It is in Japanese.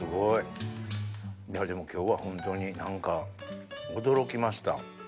いやでも今日はホントに何か驚きました。